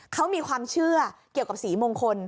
เขามีความเชื่อเกี่ยวกับสีมงคล